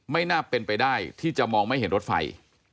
ไม่น่าเป็นไปได้ที่จะมองไม่เห็นรถไฟ